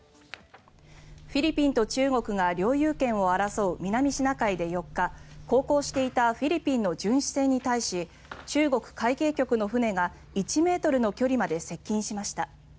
フィリピンと中国が領有権を争う南シナ海で４日航行していたフィリピンの巡視船に対し中国海警局の船が１ｍの距離まで接近しました。